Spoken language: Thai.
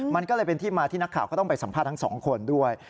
มันก็เลยเป็นที่มาที่นักข่าวก็ต้องไปสัมภาษณ์ทั้งสองคนด้วย